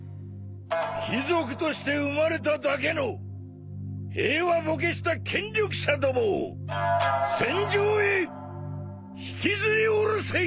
貴族として生まれただけの平和ぼけした権力者どもを戦場へ引きずり下ろせ！